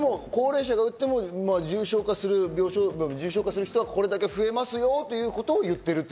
ただ西浦教授は重症化する人はこれだけ増えますよということを言っている。